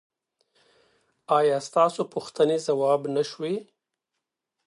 ایا ستاسو پوښتنې ځواب نه شوې؟